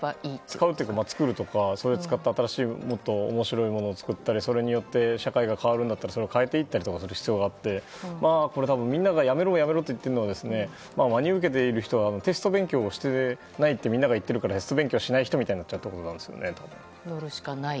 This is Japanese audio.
使うというか、作るとかそれを使ってもっと面白いものを作ったりそれによって社会が変わるのならそれを変えていったりする必要があってこれは多分、みんながやめろ、やめろと言っているのを真に受けている人はテスト勉強をしてないってみんなが言っているからテスト勉強しない人みたいになるところがある。